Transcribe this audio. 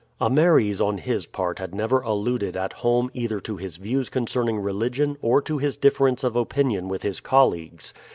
Ameres on his part had never alluded at home either to his views concerning religion or to his difference of opinion with his colleagues.